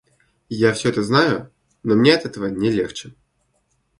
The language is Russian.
Я всё это знаю, но мне от этого не легче.